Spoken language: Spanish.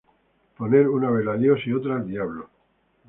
Poner una vela a Dios y otra al Diablo